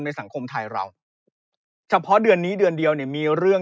สังคมไทยเราเฉพาะเดือนนี้เดือนเดียวเนี่ยมีเรื่อง